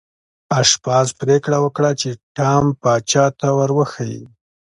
آشپز پریکړه وکړه چې ټام پاچا ته ور وښيي.